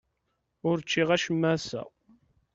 Ur ččiɣ acemma ass-a.